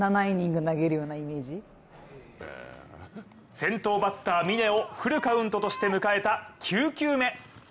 先頭バッターをフルカウントとし迎えた９球目。